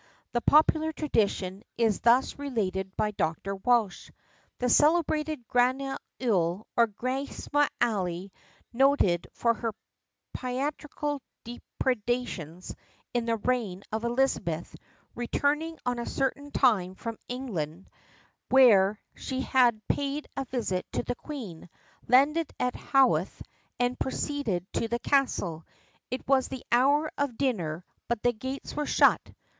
The popular tradition, is thus related by Dr. Walsh. "The celebrated Grana Uille or Grace O'Mally, noted for her piratical depredations in the reign of Elizabeth, returning on a certain time from England, where she had paid a visit to the Queen, landed at Howth, and proceeded to the castle. It was the hour of dinner but the gates were shut.